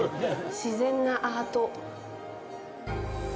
自然なアート。